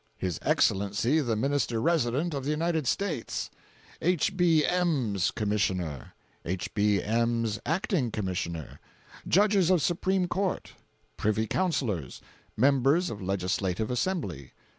His Excellency the Minister Resident of the United States. H. B. M's Commissioner. H. B. M's Acting Commissioner. Judges of Supreme Court. Privy Councillors. Members of Legislative Assembly.